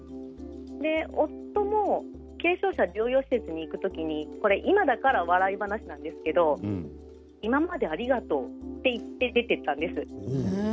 夫も軽症者療養施設に行くときに今だから笑い話なんですが今までありがとうって言って出ていったんです。